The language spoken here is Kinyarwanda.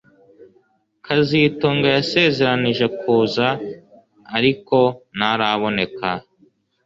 kazitunga yasezeranije kuza ariko ntaraboneka